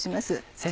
先生